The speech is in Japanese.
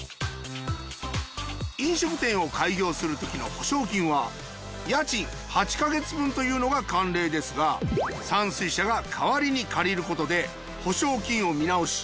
飲食店を開業するときの保証金は家賃８カ月分というのが慣例ですが山翠舎が代わりに借りることで保証金を見直し